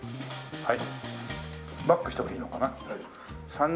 はい。